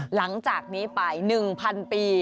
หลังจากนี้ไป๑๐๐๐ปี